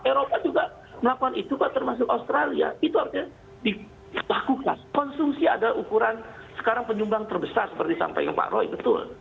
eropa juga melakukan itu pak termasuk australia itu artinya dilakukan konsumsi adalah ukuran sekarang penyumbang terbesar seperti sampaikan pak roy betul